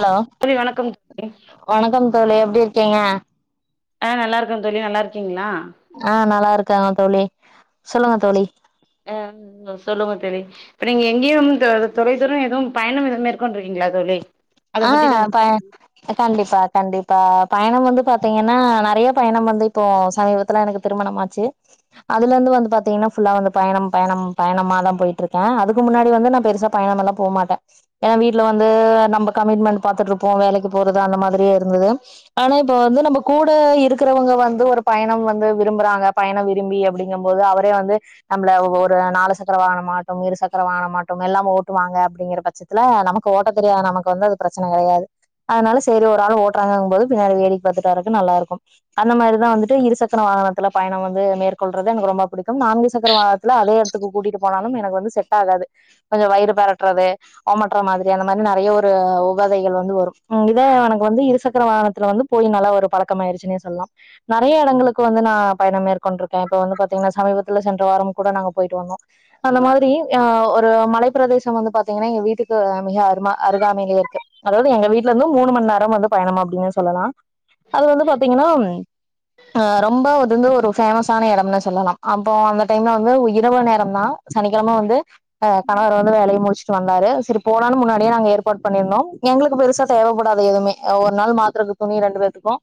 க்லா தோழி வணக்கம் [unintelligible] வணக்கம் தோழி எப்டி இருக்கீங்க ஆ நல்லா இருக்கோ தோழி நல்லா இருக்கீங்களா ஆ நல்லா இருக்கே தோழி சொல்லுங்க தோழி அ சொல்லுங்க தோழி இப்ப நீங்க எங்கயும் தொ தொலைதூரோ எதும் பயணம் எதும் மேற்கொண்டிருக்கீங்களா தோழி அத ஆ பத்தி கொஞ்ச ப அ கண்டிப்பா கண்டிப்பா பயணம் வந்து பாத்தீங்கன்னா நெறைய பயணம் வந்து இப்போ சமீபத்துல எனக்கு திருமணமாச்சு அதுல இருந்து வந்து பாத்தீங்கனா ஃபுல்லா வந்து பயணம் பயணம் பயணமாதா போயிட்ருக்கே அதுக்கு முன்னாடி வந்து நா பெருசா பயனெல்லா போமாட்ட ஏனா வீட்ல வந்து நம்பர் கமிட்மெண்ட் பாத்துட்டு இருப்போ வேலைக்கு போரது அந்த மாதிரியே இருந்தது ஆனா இப்ப வந்து நம்ம கூட இருக்கறவங்க வந்து ஒரு பயணம் வந்து விரும்புறாங்க பயணம் விரும்பி அப்டின் ங்க போது அவரே வந்து நம்மள ஒரு நாலு சக்கர வாகன மாட்டோம் இரு சக்கரம் வாகன மாட்டோம் எல்லாம ஓட்டுவாங்க அப்டிங்கிற பட்சத் துல நமக்கு ஓட்ட தெரியாது நமக்கு வந்து அது பிரச்சனை கெடையாது அதனால சேரி ஒரு ஆள் ஓட்றாங்கங் போது பின்னாடி வேடிக் பாத்துட்டு வரக்கு நல்லா இருக்கு அந்த மாரிதா வந்துட்டு இரு சக்கர வாகனத்துல பயண வந்து மேற்கொள்றது எனக்கு ரொம்ப புடிக்கும் நான்கு சக்கர வாக துல அதே எடத்துக்கு கூட்டிட்டு போனாலு எனக்கு வந்து செட்டாகாது கொஞ்சோ வயிறு பெரட்றது ஒமற்ற மாதிரி அந்த மாதிரி நெறைய ஒரு அ உபாதைகள் வந்து வரு ம் இதே எனக்கு வந்து இருசக்கர வாகனத்துல வந்து போயி நல்லா ஒரு பழக்கம் ஆயிடுச்சுனே சொல்லா நறைய இடங்களுக்கு வந்து நா பயணம் மேற்கொண்டிருக்கே இப்ப வந்து பாத்தீங்கனா சமீபத்துல சென்ற வாரமு கூட நாங்க போயிட்டு வந்தோ அந்த மாதிரி ஆ ஒரு மலை பிரதேசம் வந்து பாத்தீங்கன்னா எங்க வீட்டுக்கு மிக அரும அருகாமையிலே இருக்கு அதாவது எங்க வீட்ல இருந்து மூணு மண் நேரோ வந்து பயணம் அப்டின்னு சொல்லலா அது வந்து பாத்தீங்கனா ம் அ ரொம்ப அது வந்து ஒரு ஃபேமஸ்ஸான எடம்னு சொல்லலா அப்போ அந்த டைம்ல வந்து ஒ இரவு நேரம் தா சனிக்கிழம வந்து அ கணவர் வந்து வேலையை முடிச்சுட்டு வந்தாரு செரி போலான்னு முன்னாடியே நாங்க எ ஏற்பாடு பண்ணிருந்தோ எங்களுக்கு பெருசா தேவப்படாது எதுமே அ ஒரு நாள் மாத்ரத்துக்கு துணி ரெண்டு பேத்துக்கு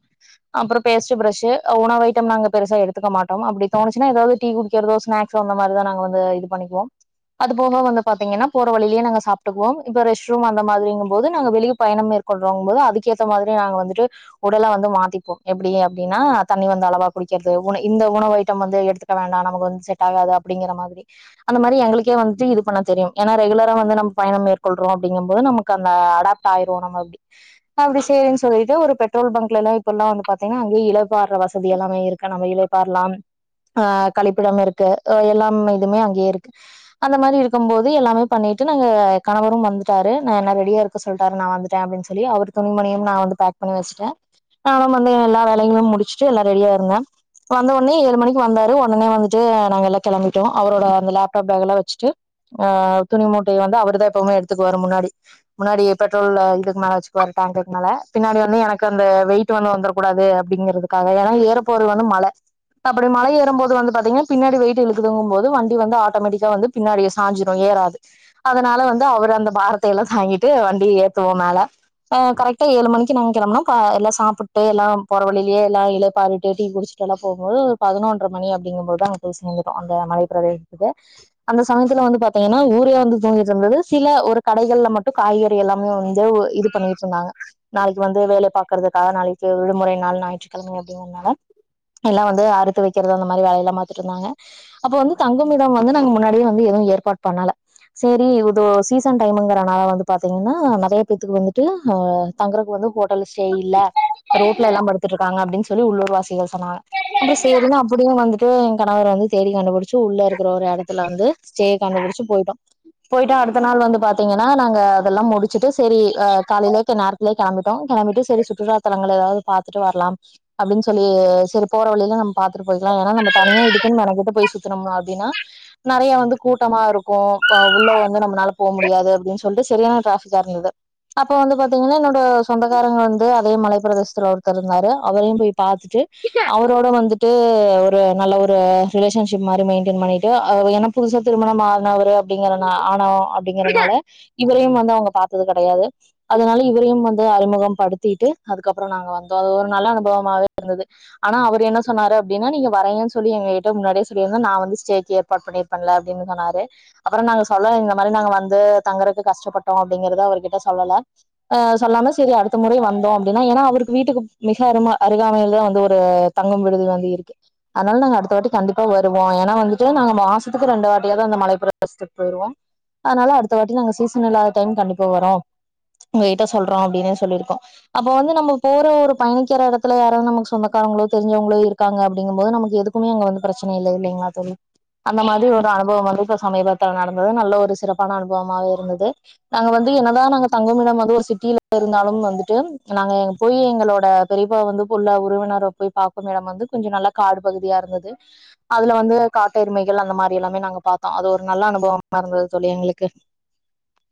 அப்பறோ பேஸ்ட்டு ப்ரஷ்ஷு உணவு ஐட்டம் நாங்க பெருசா எடுத்துக்கமாட்டோம் அப்டி தோணுச்சுனா ஏதாவது டீ குடிக்கர்தோ ஸ்நாக்ஸோ அந்த மாரிதா நாங்க வந்து இது பண்ணிப்போ அது போக வந்து பாத்தீங்கன்னா போற வழியிலே நாங்க சாப்டுக்குவோம் இப்ப ரெஸ்ட் ரூம் அங்க மாதிரிங்கபோது நாங்க வெளிய பயணம் மேற்கொல்றோம்ங்க போது அதுக்கேத்த மாதிரி நாங்க வந்துட்டு உடல வந்து மாத்திப்போ எப்டி அப்டின்னா தண்ணி வந்து அளவா குடிக்கறது உண இந்த உணவு ஐட்டம் வந்து எடுத்து க்க வேண்டா நமக்கு வந்து செட் ஆகாது அப்டிங்கிற மாதிரி அந்த மாரி எங்களுக்கே வன்ட்டு இது பண்ண தெரியு ஏன்னா ரெகுலரா வந்து நாம் பயணம் மேற்கொள்றோ அப்டிங்க போ போது நமக்கு அந்த அடாப்ட் ஆயிர்வோம் நம்ம அப்டி அப்டி சேரின் சொல்லிட்டு ஒரு பெட்ரோல் பங்க்ல எல்லா இப்பெல்லா வந்து பாத்தீங்கனா அங்கே இளப்பாடுற வசதி எல்லாமே இருக்கு நம்ம இல வரலாம் ஆ கழிப்பிடம் இருக்கு எல்லாம் இதும்மே அங்கேயே இருக்கு அந்த மாரி இருக்கும் போது எல்லாமே பண்ணிட்டு நாங்க கணவரும் வந்து ன்டாரு நா என்ன ரெடியாருக்க சொல்டாரு நா வந்துட்டே அப்டின் சொல்லி அவரு துணி மணியும் நா வந்து பேக் பண்ணிவச்சிட்டே நானு வந்து எல்லா வேலைகளு முடிச்சுட்டு எல்லா ரெடியா இருந்தே வந்தோன்னே ஏழு மணிக்கி வந்தாரு ஒடனே வந்துட்டு நாங்க எல்லா கெளம்பிட்டோ அவரோட அந்த லேப்டாப் பேகெல்லா வச்சிட்டு ஆ துணி மூட்டைய வந்து அவருதா எப்பவுமே எடுத்துக்குவாரு முன்னாடி முன்னாடி பெட்ரோல் அ இதுக்கு மேல வச்சுக்குவார் டங்க்குக்கு மேல பின்னாடி வந்து எனக்கு அந்த வெயிட் வெயிட் வந்து வந்துரக்கூடாது அப்டிங்கறதுக்காக ஏன்னா ஏறப் போறது வந்து மல அப்படி மல ஏறும்போது வந்து பாத்தீங்கா பின்னாடி வெயிட்டு இழுக்குதுங்கும்போது வண்டி வந்து ஆட்டோமேட்டிக்கா வந்து பின்னாடி சஞ்சிடு ஏறாது அதனால வந்து அவரு அந்த பாரத்தையெல்லா தாங்கிட்டு வண்டி ஏத்துவோ மேல அ கரெக்டா ஏழு மணிக் ணிக்கே நம் கேளம்னா கா எல்லாம் சப்புட்டு எல்லாம் போற வழியிலே எல்லா இழப்பாருக்குன்ட்டு டீ குடிச்சுட்டு எல்லாம் போம் போது பதினொன்று மணி அப்படிங்கும் போதுதா போய் சேந்துப்போ அங்க மலைப் பிரதேசத்துக்கு அந்த சமயத்துல வந்து பாத்தீங்கன்னா ஊரே வந்து தூங்கிட்டுருந்தது சில ஒரு கடைகள்ல மட்டு காய்கறி எல்லாமே வந்து ஒ இது பண்ணிட்டுருந்தாங்க நாளைக்கு வந்து வேல பாக்குறதுக்காக நாளைக்கி விடுமுறை நாள் ஞாயிற்றுக்கெழமை அப்படிங்கனால எல்லா வந்து அறுத்து வைக்கிறது அந்த மாரி வேலயெல்லா பாத்துட்டுருந்தாங்க அப்ப வந்து தங்கும்மிடம் வந்து நாங்க முன்னாடியே வந்து எதுவு ஏற்பாடு பண்ணால சரி உ தோ சீசன் டைம்ங்கறனால வந்து பாத்தீங்கன்னா நறைய பேத்துக்கு வந்துட்டு அ தங்கறத்துக்கு வந்து ஹோ ட்டல்ஸே இல்ல ரோட்லயெல்லா படுத்துட்டுருக்காங்க அப்டின்னு சொல்லி உள்ளூர்வசிகள் சொன்னாங்க அப்புறே சேரின்னு அப்படியு வந்துட்டு ஏங் கணவர் வந்து தேடி கண்டுபிடிச்சு உள்ளருக்கற ஒரு எடத்துல வந்து ஸ்டே கண்டுபிடிச்சு போயிட்டோ போயிட்டோ அதுக் மொதநாள் வந்து பாத்தீங்கன்னா நாங்க அதெல்லா முடிச்சுட்டு செரி அ காலேலக்கி நேரத்துல கெளம்பிட்டோ கெம்பிட்டு செரி சுற்றுலா தலங்களையாவது பாத்துட்டு வரலாம் அப்டின்னு சொல்லி செரி போற வழில நம்ம பாத்துட்டு போயிக்கலா ஏன்னா நம்ம தனியா இதுக்குன்னு மெனக்கட்டு போய் சுத்துன்னோம் அப்டின்னா நறைய வந்து கூட்டமாருக்கு அ உள்ள வந்து நம்மனால போ முடியாது அப்டின்னு சொல்லிட்டு செரியான டிராபிக்காருந்தது அப்ப வந்து பாத்தீங்கன்னா என்னோட சொந்தக்காரங்கள் வந்து அதே மலைக் பிரதேசத்துல ஒருத்தர் இருந்தாரு அவரையு போய் பாத்துட்டு அவரோட வந்துட்டு ஒரு நல்ல ஒரு ரிலேஷன்ஷிப் மாரி மெயின்டென் பண்ணிட்டு அ வ் ஏனா புதுசா திருமணம் ஆனவரு அப்டிங்கிறனா ஆன அப் அப்டிங்கிறனால இவரையு வந்து அவங்க பாத்தது கெடையாது அதனால இவரையும் வந்து வந்து அறிமுகம் படுத்திக்கிட்டு அதுக்கப்புறோ நாங்க வந்தோ அது ஒரு நல்ல அனுபவமாவே இருந்தது ஆனா அவரு என்ன சொன்னாரு அப்டின்னா நீங்க வரேங்கன்னு சொல்லி எங்ககிட்ட முன்னாடியே சொல்லிருந்தா நா வந்து ஸ்டேஜப் பப்புடி பண்ல அப்டின்னு சொன்னாரு அப்பறம் நாங்க சொல்ல இந்த மாரி நாங்க வ ந்து தங்குறதுக்கு கஷ்டப்பட்டோ அப்படிங்கறத அவர்கிட்ட சொல்லல்ல அ சொல்லாம சேரி அடுத்த முறை வந்தோ அப்டின்னா ஏன்னா அவருக்கு வீட்டுக்கு மிக அருமா அருகாமையில் தா வந்து ஒரு தங்கும் விடுது வந்து இருக்கு அதனால நாங்க அடுத்த வாட்டிக்கி கண்டிப்பா வருவோ ஏன்னா வந்துட்டு நாங்க மாசத்துக்கு ரெண்டு வாட்டியாவது அந்த மலைப்பிரதேசத்துக்கு போயிருவோ அதனால அடுத்த வாட்டி நாங்க சீசன் இல்லாத டைம் கண்டிப்பா வரோ உங்ககிட்ட சொல்றோ அப்டின்னு சொல்லியிருக்கோ அப்ப வந்து நம்ம போற ஒரு தங்கிக்கிற எடத்துல யாரும் நமக்கு சொந்தக்காரங்களோ தெரிஞ்சவங்களோ இருக்காங்க அப்‌டிங்குமபோது நமக்கு எதுக்குமே அங்க வந்து பிரச்சன இல்ல இல்லைங்களா தோழி அந்த மாரி ஒரு அனுபவம் வந்து இப்ப சமீபத்துல நடந்தது நல்ல ஒரு சிறப்பான அனுபவமாவே இருந்தது நாங்க வந்து என்னதா நாங்க தங்கமிடம் வந்து ஒரு சிட்டியில இருந்தாலும் வந்துட்டு நாங்க எங்க போய் எங்களோட பெரியப்பா வந்து புள்ள உறவினர போய் பார்க்குமிடம் வந்து கொஞ்சோ நல்ல காடு பகுதியா இருந்தது அதுல வந்து காட்டு எருமைகள் அந்த மாரியெல்லாமே நாங்க பாத்தோ அது ஒரு நல்ல அனுபவமா இருந்தது சொல்லி எங்களு க்கு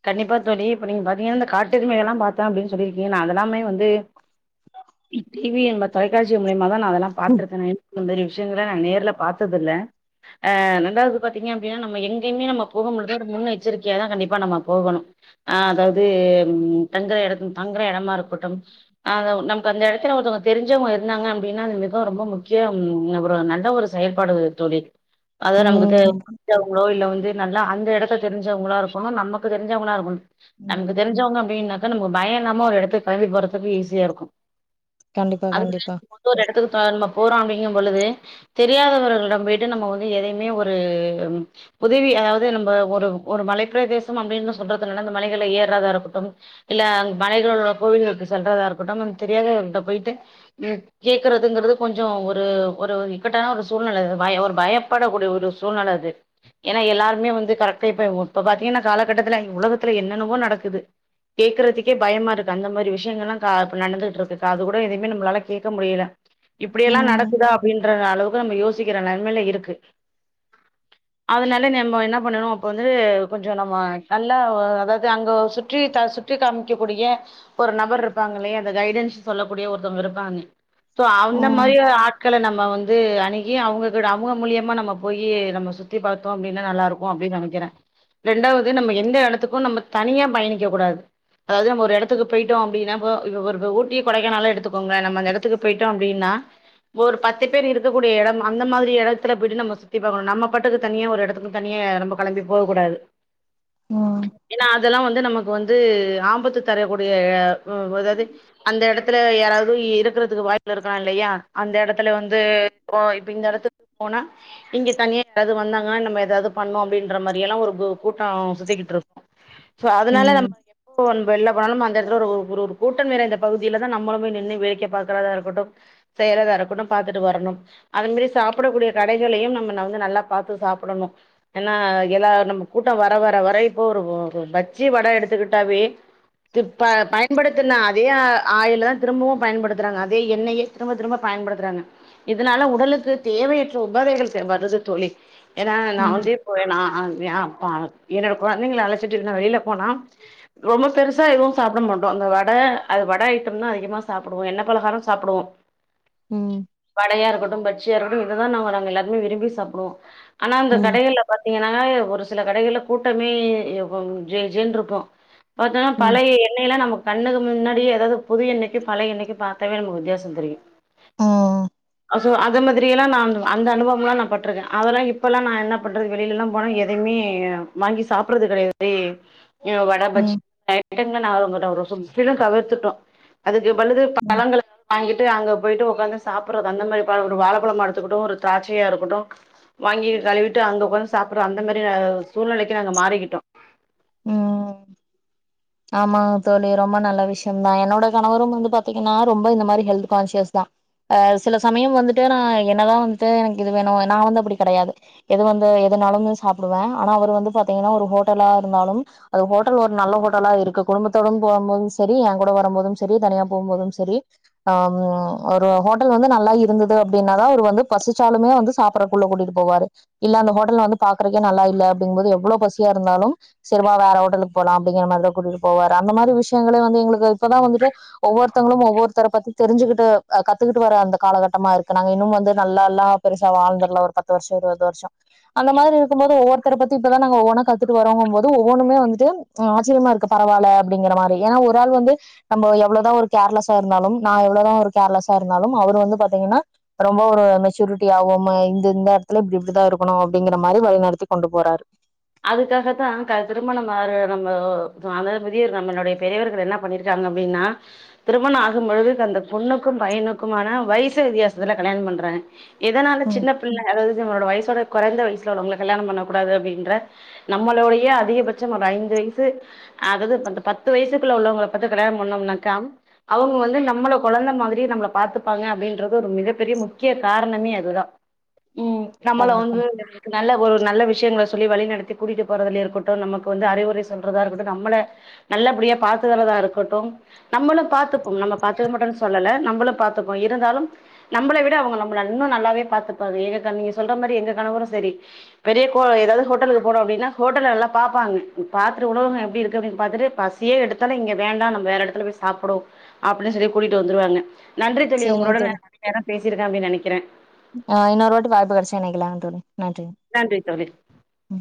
கண்டிப்பா தோழி இப்ப நீங்க பாத்தீங்கன்ன இந்த காட்டெருமைகல்லா பாத்தே அப்டின்னு சொல்லிருக்கீங்க நா அதெல்லாமே வந்து இ டி வி என்ப தொலைக்காட்சி மூலியமாதா நா அதெல்லா பாத்திருக்கே நா இந்த மாரி விஷயங்களா நா நேர்ல பாத்ததுல்ல ஆ ரண்டாவது பாத்தீங்க அப்டின்னா நம்ம எங்கயுமே நம்ம போகமுடிது ஒரு முன்ன எச்சரிக்கையாதா கண்டிப்பா நம்ம போகணும் ஆ அதாவ்து ம் தங்குற எடத்த தங்குற எடமா இருக்கட்டும் அத நமக்கு அந்த எடத்துல ஒருத்தவ்ங்க தெரிஞ்சவங்க இருந்தாங்க அப்டின்னா அந்த மிக ரொம்போ முக்கியம் ஒரு நல்ல ஒரு செயல்பாடு தோழி அத நமக்கு தெ ம் ஆமா தெரிஞ்சவங்களோ இல்ல வந்து நல்லா அந்த எடத்த தெரிஞ்சவங்களா இருக்குனு நம்ம க்கு தெரிஞ்சவங்களா இருக்கனு ம் நமக்கு தெரிஞ்சவங்க அப்டின்னாக் க நமக்கு பய இல்லாம ஒரு எடத்து கெளம்பி போறதுக்கு ஈஸியா இருக்கு கண்டிப்பா அதவிட கண்டிப்பா இன்னொரு எடத்துக்குதா நம போறோ அப்டிங்கம் பொழுது தெரியாதவர்களிடம் போய்ட்டு நம்ம வந்து எதையுமே ஒரு ம் உதவி அதாவ்து நம்ப ஒரு ஒரு மலைப்பிரதேசம் அப்டின்னு சொல்றதுனால அந்த மலைகள ஏறதா இருக்கட்டும் இல்ல அங் மலைகளோட கோவில்களுக்கு செல்றதா இருக்கட்டும் நமக் தெரியாதவர்கள்ட்ட போயிட்டு ம் கேக்குறதுங்கறது கொஞ்சோ ஒரு ஒரு இக்கட்டான ஒரு சூழ்நில பயோ ஒரு பயப்படக்கூடிய ஒரு சூழ்நில அது ஏனா எல்லாருக்மே வந்து கரெக்டா இப்ப இப்ப பாத்தீங்கன்னா காலகட்டத்துல உலகத்துல என்னென்னவோ நடக்குது கேக்குறதுக்கே பயமா இருக்கு அந்த மாரி விஷயங்கள்லா கா இப்ப நடந்துட்டு இருக்கு காது கூட எதுவுமே நம்மளால கேட்க முடியல இப்டியெல்லா ம் நடக்குதா அப்டின்ற அளவுக்கு நம்ம யோசிக்கிற நெலமைல இருக்கு அதனால நெம்மோ என்ன பண்ணணு அப்ப வந்து கொஞ் சோ நம்ம நல்லா ஒ அதாவ்து அங்க சுற்றி க சுற்றி காமிக்க கூடிய ஒரு நபர் இருப்பாங்கல்லையா அந்த கைடன்ஸ் சொல்லக்கூடிய ஒருத்தங்க இருப்பாங்க சோ அந்த மாரி ம் ஆட்கள நம்ம வந் து அணுகி அவங்ககிட்ட அவங்க மூலியமா நம்ம போயி நம்ம சுத்தி பாத்தோ அப்டின்னா நல்லாருக்கு அப்டின்னு நெனைக்கிறே ரெண்டாவ்து நம்ம எந்த எடத்துக்கு நம்ம தனியா பயணிக்க கூடாது அதாவ்து நம்ம ஒரு எடத்துக்கு பேயிட்டோ அப்டின்னா இப்ப இப்ப பாரு இப்ப ஊட்டி கொடைக்கானாலே எடுத்துக்கோங்க நம்ம அந்த எடத்துக்குப் பொய்ட்டோ அப்டின்னா ஒரு பத்து பேர் இருக்ககூடிய எடம் அந்த மாதிரி எடத்துல போய்ட்டு நம்ம சுத்தி பாக்கணு நம்ம பாட்டுக்கு தனியா ஒரு எடத்துக்கு தனியே நம்ப கெளம்பி போக கூடாது ம் ஆ ஏனா அதெல்லா வந்து நமக்கு வந்து ஆபத்து தரக்கூடிய எ வ அதாவ்து அந்த எடத்துல யாராவது இருக்கிறதுக்கு வாய்ப்பு இருக்கலா இல்லையா அந்த எடத்துல வந்து இப்போ இப்ப இந்த எடத்துக் போனா இங்க தனியா யாராவ்து வந்தாங்கன்னா நம்ம எதாவது பண்ணு அப்டின்ற மாரி எல்லா ஒரு கு கூட்டோ சுத்திக்கிட்டுருக் சோ அதனால நம்ம ம் எப்போ வெள்ல போனாலும் அந்த எடத்துல ஒரு ஒரு ஒரு ஒரு கூட்டம் நிறைந்த பகுதிலதா நம்மளுமே நின்னு வேடிக்க பாக்கறதா இருக்கட்டும் செய்யறதா இருக்கட்டும் பாத்துட்டு வரணும் அது மாரி சாப்புடக்கூடிய கடைகளையும் நம்ம ந வந்து நல்லா பாத்து சாப்புடணு ஏன்னா எல்லா நம்ம கூட்டோ வர வர வர இப்போ ஒரு பஜ்ஜி வட எடுத்துக்கிட்டாவே துப்ப பயன்படுத்துனா அதே ஆ ஆயிலதா திரும்பவு பயன்படுத்துறாங்க அதே எண்ணெயே திரும்ப திரும்ப பயன்படுத்துறாங்க இதுனால உடலுக்கு தேவையற்ற உபாதைகள் தே வருது தோழி ஏனா நா ம் வந்து இப்போ எனா [unintelligible] என்னோட கொழந்தைங்கள அழச்சிட்டு நா வெளில போனா ரொம்ப பெருசா எதுவும் சாப்பிட மாட்டோ அந்த வட அது வட ஐட்டம்தா அதிகமா சாப்டுவோ எண்ணெ பலகாரொ சாப்டுவோ ம் வடையா இருக்கட்டும் பஜ்ஜியா இருக்கட்டும் இதுதா நாங் நாங்க எல்லாருமே விரும்பி சாப்புடுவோ ஆனா அந்த ம் கடைகள்ல பாத்தீங்கன்னா ஒரு சில கடைகள்ல கூட்டமே இப்போ ஜே ஜேன்ருக்கு பாத்தோனா ம் பழைய எண்ணெயெல்லா நமக் கண்ணுக்கு முன்னாடியே அதாது புது எண்ணைக்கு பழைய எண்ணைக்கு பாத்தாவே நமக்கு வித்தியாசோ தெரியு ம் சோ அத மாதிரி எல்லா நா அந்த அனுபவம்லா நா பட்ருக்க அதல்லா இப்பல்லா நா என்ன பண்றது வெளிலல்லா போனா எ எதுமே வாங்கி சாப்படுறது கெடையாது ஏ வட பஜ்ஜி [inaudible] [unintelligible] முற்றிலும் தவிர்த்துட்டோ அதுக்கு பதிலு ம் பழங்கள வாங்கிட்டு அங்க போய்ட்டு உக்காந்து சாப்பிட்றது அந்த மாரி பழோ ஒரு வாழைப்பழமா எடுத்துக்கட்டு ஒரு த்ராச்சையா இருக்கட்டு வாங்கி கழுவிட்டு அங்க உக்காந்து சாப்பிற அந்த மாரி சூழ்நிலைக்கு நாங்க மாறிக்கிட்டோ ம் ஆமா தோழி ரொம்ப நல்ல விஷயம்தா என்னோட கணவரும் வந்து பாத்தீங்கன்னா ரொம்ப இந்த மாரி ஹெல்த் கான்சியஸ் தா அ சில சமயம் வந்துட்டு நா என்னதா வந்துட்டு எனக்கு இது வேணு நா வந்து அப்படி கெடையாது எது வந்து எதுனாலும் சாப்டுவ ஆனா அவர் வந்து பாத்தீங்கனா ஒரு ஹோட்டலா இருந்தாலும் அது ஹோட்டல் ஒரு நல்ல ஹோட் டலா இருக்கு குடும்பத்தோடும் போம்போதும் சரி எ கூட வரம்போதும் சரி தனியா போம்போதும் சரி அம் ஒரு ஹோட்டல் வந்து நல்லா இருந்தது அப்டின்னாதா அவரு வந்து பசிச்சாலுமே வந்து சாப்புற உள்ள கூட்டிட்டு போவாரு இல்ல அந்த ஹோட்டல்ல வந்து பாக்குறக்கே நல்லா இல்ல அப்டிங்கற போது எவ்ளோ பசியா இருந்தாலும் சரி வா வேற ஹோட்டலுக்கு போலா அப்டிங்கிற மாரிதா கூட்டிட்டு போவாரு அந்த மாரி விஷயங்களே வந்து எங்க இப்போதா வந்துட்டு ஒவ்வொருத்தங்களும் ஒவ்வொருத்தர பத்தி தெரிஞ்சுட்டு அ கத்துக்கிட்டு வர அந்த காலகட்டமா இருக்கு நாங்க இன்னு வந்து நல்லால்லா பெருசா வாழ்ந்திர்ல ஒரு பத்து வருஷோ இருவது வருஷோ அந்த மாரி இருக்குபோது ஒவ்வொரு த்தர பத்தி இப்பதா நாங்க ஒவ்வொன்னா கத்துட்டு வரங்குபோது ஒவ்வொன்னுமே வந்து ஆச்சரியமா இருக்கு பரவால அப்டிங்கிற மாரி ஏனா ஒரு ஆள் வந்து நம்ம எவ்ளோதா ஒரு கேர்லெஸா இருந்தாலும் நா எவ்ளோதா ஒரு கேர்லெஸா இருந்தாலும் அவரு வந்து பாத்தீங்கன்னா ரொம்ப ஒரு மெச்சூரிட்டி ஆவோம இந்த இந்த எடத்துல இப்டி இப்டிதா இருக்கணு அப்டிங்கிற மாரி வழிநடத்தி கொண்டு போறாரு அதுக்காகத்தா க திருமணம் ஆர நம்மோ நம்ம அந்த நம்மளுடைய பெரியவர்கள் என்ன பண்ணிரு காங்க அப்டின்னா திருமண ஆகும் பொழுது அந்த பொண்ணுக்கு பையனுக்குமான வயசு வித்தியாசத்துல கல்யாணம் பண்றாங்க எதனால ம் சின்ன பிள்ள அதாவது நம்மளோட வயசோட கொறைந்த வயசுல உள்ளவங்கல கல்யாணோ பண்ண கூடாது அப்டின்ற நம்மளோடைய அதிகபச்சம் ஒரு ஐந்து வயசு அதாது இந்த பத்து வயசுக்குள்ள உள்ளவங்கள பாத்து கல்யாணம் பன்னோம்னாக்கா அவங்க வந்து நம்மள கொழந்த மாதிரி நம்மள பாத்துப்பாங்க அப்டின்றது ஒரு மிகப்பெரிய முக்கிய காரணமே அதுதா நம்மள கண்டிப்பா வந்து [unintelligible] நல்ல ஒரு நல்ல விஷயங்கள சொல்லி வழிநடத் தி கூட்டிட்டு போறதுலே இருக்கட்டு நமக்கு வந்து அறிவுரை சொல்றதா இருக்கட்டு நம்மள நல்லபடியா பாத்தலதா இருக்கட்டு நம்மளு பாத்துப்போ நம்ம பாத்துக்க மட்டோன் சொல்லல நம்மள பாத்துப்போ இருந்தாலும் நம்பள விட அவங்க நம்பள இன்னு நல்லாவே பாத்துப்பாங்க எங்க க நீங்க சொல்ற மாரி எங்க கணவரு சரி பெரிய கோ ஏதாவது ஹோட்டல் போரோ அப்டின்னா ஹோட்டலு எல்லா பாப்பாங்க பாத்துட்டு உணவகோ எப்டி இருக்கு அப்டின்னு பாத்துட்டு பசியே எடுத் சன இங்க வேண்டா நம்ம வேற எடத்துல போய் சாப்டுவோ அப்டின்னு சொல்லி கூட்டிட்டு வந்துருவாங்க நன்றி தோழி சேரிங்க உங்களோட நா நறைய நேரோ பேசிருக்க அப்டின்னு நனைக்கிற ஆ இன்னோரு வாட்டி வாய்ப்பு கெடச்சா இனைக்கலா தோழி நன்றி நன்றி தோழி ம்